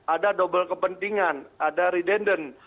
ada dobel kepentingan ada redundant